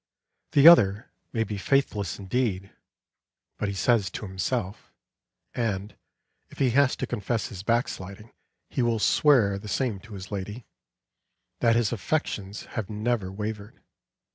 The other may be faithless in deed; but he says to himself (and, if he has to confess his backsliding, he will swear the same to his lady) that his affections have never wavered.